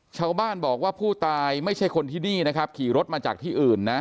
ชาวบ้านบอกว่าผู้ตายไม่ใช่คนที่นี่นะครับขี่รถมาจากที่อื่นนะ